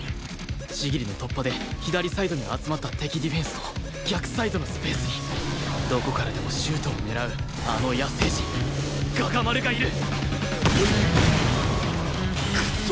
千切の突破で左サイドに集まった敵ディフェンスの逆サイドのスペースにどこからでもシュートを狙うあの野生児我牙丸がいる！クソ！